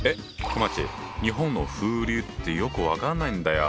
こまっち日本の風流ってよく分かんないんだよ。